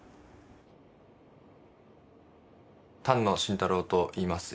丹野晋太郎といいます。